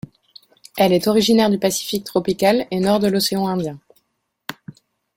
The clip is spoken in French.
Elle est originaire du Pacifique tropical et nord de l'océan Indien.